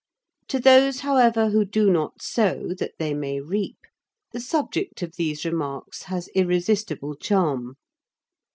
To those, however, who do not sow that they may reap, the subject of these remarks has irresistible charm.